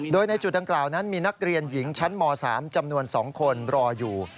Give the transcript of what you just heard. โดยในจุดดังกล่าวนั้นมีนักเรียนหญิงชั้นม๓จำนวน๒คนรออยู่